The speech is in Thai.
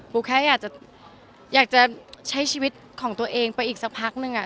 แค่อยากจะใช้ชีวิตของตัวเองไปอีกสักพักนึง